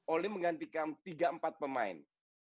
oli menggantikan tiga empat pemain